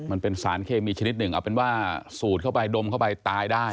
มันเป็นสารเคมีชนิดหนึ่งเอาเป็นว่าสูดเข้าไปดมเข้าไปตายได้